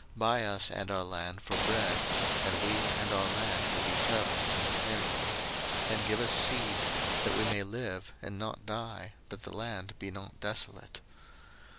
buy us and our land for bread, and we and our land will be servants unto Pharaoh: and give us seed, that we may live, and not die, that the land be not desolate.